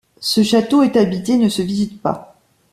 Ce château est habité et ne se visite pas.